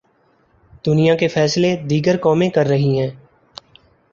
دنیا کے فیصلے دیگر قومیں کررہی ہیں۔